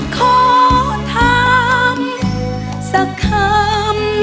ขอทำสักคำ